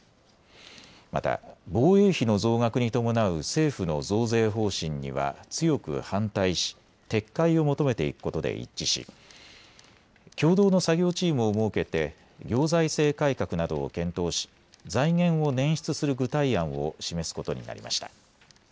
また防衛費の増額に伴う政府の増税方針には強く反対し撤回を求めていくことで一致し共同の作業チームを設けて行財政改革などを検討し財源を捻出する具体案を示すことになりました。